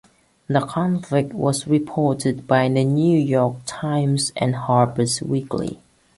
The conflict was reported by "The New York Times" and "Harper's Weekly".